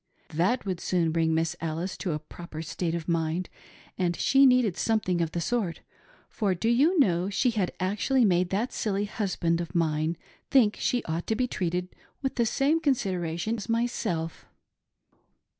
That would soon bring Miss Alice to a proper state of mind, and she needed something of the sort, for, do you know, she had actually made that silly husband of mine think that she ought to be treated with the same consideration as myself."